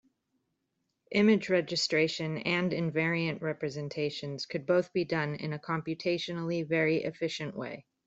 Image registration and invariant representations could both be done in a computationally very efficient way.